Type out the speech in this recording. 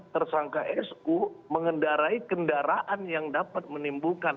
tersangka su mengendarai kendaraan yang dapat menimbulkan